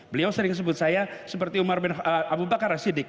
beliau sering sebut saya seperti umar bin abu bakar asidik